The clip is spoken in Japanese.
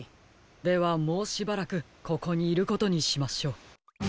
ではもうしばらくここにいることにしましょう。